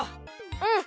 うん！